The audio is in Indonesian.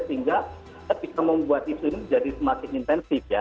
sehingga bisa membuat itu jadi semakin intensif ya